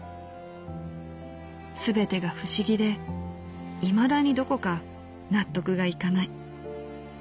すべてが不思議でいまだにどこか納得がいかない」。